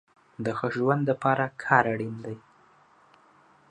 د ښه ژوند د پاره کار اړين دی